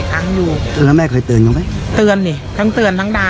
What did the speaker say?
วันนี้แม่ช่วยเงินมากกว่า